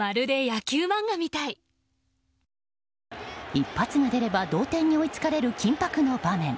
一発が出れば同点に追いつかれる緊迫の場面。